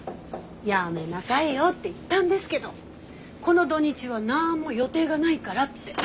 やめなさいよって言ったんですけどこの土日は何も予定がないからって。